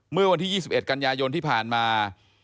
เมื่อวันที่๒๑กันยายนที่ผ่านมา